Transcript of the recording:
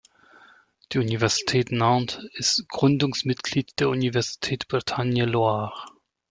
Die Universität Nantes ist Gründungsmitglied der Universität Bretagne Loire.